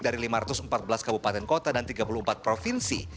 dari lima ratus empat belas kabupaten kota dan tiga puluh empat provinsi